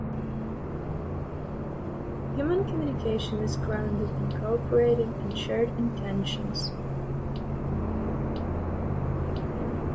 Human communication is grounded in cooperative and shared intentions.